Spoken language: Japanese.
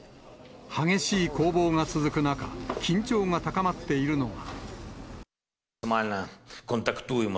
激しい攻防が続く中、緊張が高まっているのが。